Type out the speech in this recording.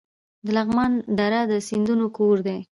د لغمان دره د سیندونو کور دی